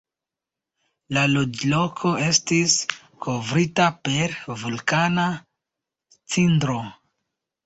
La loĝloko estis kovrita per vulkana cindro.